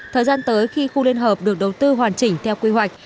thời gian tới khi khu liên hợp được đầu tư hoàn chỉnh theo quy hoạch